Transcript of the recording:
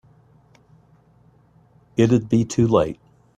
It'd be too late.